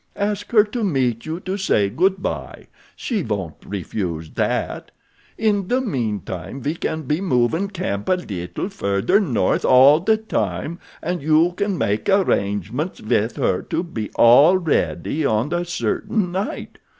Ask her to meet you to say goodbye—she won't refuse that. In the meantime we can be movin' camp a little further north all the time and you can make arrangements with her to be all ready on a certain night.